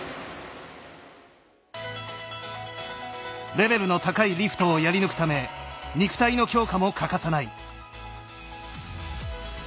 レベルの高いリフトをやり抜くため肉体の強化も欠かさない。